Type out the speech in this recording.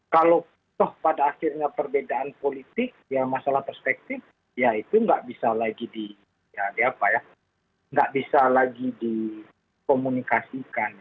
kalau pada akhirnya perbedaan politik masalah perspektif ya itu nggak bisa lagi dikomunikasikan